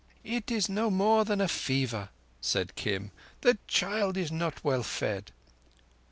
"It is no more than a fever," said Kim. "The child is not well fed."